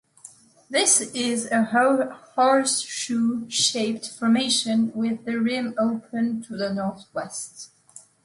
This is a horseshoe-shaped formation with the rim open to the northwest.